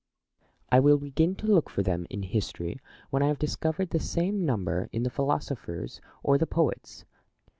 Plato. I will begin to look for them in history when I have discovered the same number in the philosophers or the poets.